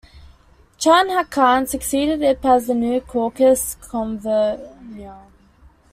Chan Hak-kan succeeded Ip as the new caucus convenor.